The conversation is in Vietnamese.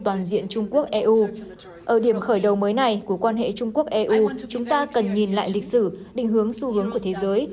ở điểm khởi đầu mới này của quan hệ trung quốc eu chúng ta cần nhìn lại lịch sử định hướng xu hướng của thế giới